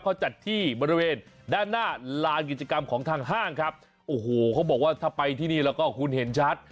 เขาจัดที่บริเวณด้านหน้าลานกิจกรรมของทางห้างครับโอ้โหเขาบอกว่าถ้าไปที่นี่แล้วก็คุณเห็นชัด